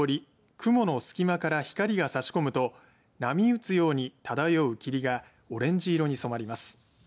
雲の隙間から光が差し込むと波打つように漂う霧がオレンジ色に染まります。